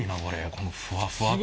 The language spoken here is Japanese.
このふわふわ感が。